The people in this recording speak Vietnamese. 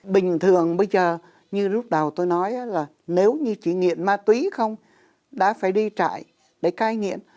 bình thường bây giờ như lúc đầu tôi nói là nếu như chỉ nghiện ma túy không đã phải đi trại để cai nghiện